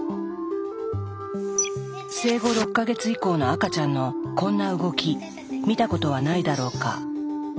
生後６か月以降の赤ちゃんのこんな動き見たことはないだろうか。